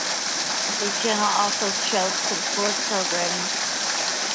The channel also showed some sports programming.